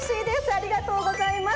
ありがとうございます。